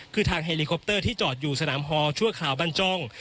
คือทางเฮลิคอปเตอร์ที่จอดอยู่สนามฮอลชั่วคราวบรรจ้อง